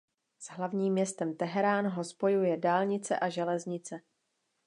S hlavním městem Teherán ho spojuje dálnice a železnice.